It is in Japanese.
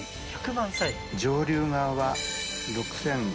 １００万歳⁉上流側は６，５００万